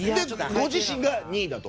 ご自身が２位だと？